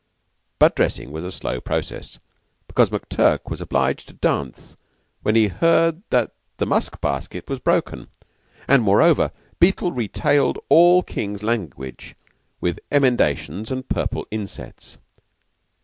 But dressing was a slow process, because McTurk was obliged to dance when he heard that the musk basket was broken, and, moreover, Beetle retailed all King's language with emendations and purple insets.